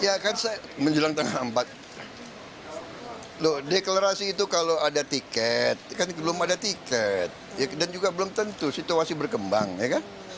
ya kan menjelang tanggal empat loh deklarasi itu kalau ada tiket kan belum ada tiket dan juga belum tentu situasi berkembang ya kan